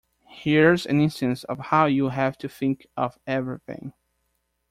Here's an instance of how you have to think of everything.